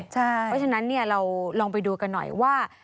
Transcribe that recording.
เพราะฉะนั้นเราลองไปดูกันหน่อยว่า